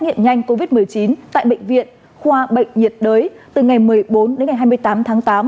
nghiệm nhanh covid một mươi chín tại bệnh viện khoa bệnh nhiệt đới từ ngày một mươi bốn đến ngày hai mươi tám tháng tám